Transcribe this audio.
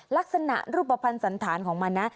ลักษณะรูปภัณฑ์สันธารของมันนะ